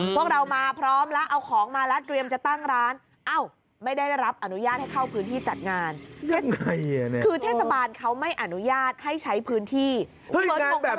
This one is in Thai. พื้นที่จะขายของแล้วขายได้เลย